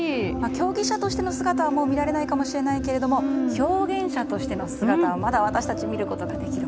競技者としての姿はもう見られないかもしれないけど表現者としての姿はまだ私たちは見ることができる。